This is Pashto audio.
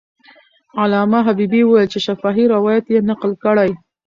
علامه حبیبي وویل چې شفاهي روایت یې نقل کړی.